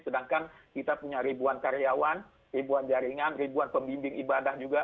sedangkan kita punya ribuan karyawan ribuan jaringan ribuan pembimbing ibadah juga